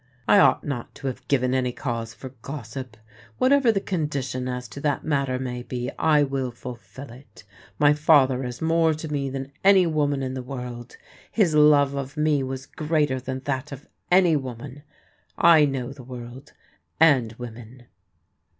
I ought not to have given any cause for gossip. What ever the condition as to that matter may be, I will ful fil it. My father is more to me than any woman in the world ; his love of me was greater than that of any woman. I know the world — and women."